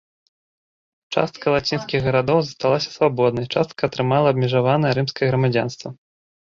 Частка лацінскіх гарадоў засталася свабоднай, частка атрымала абмежаванае рымскае грамадзянства.